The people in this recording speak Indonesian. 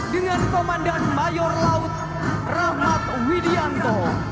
dengan komandan mayor laut rahmat widianto